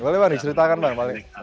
boleh bang diceritakan bang